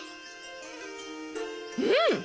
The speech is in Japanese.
うん。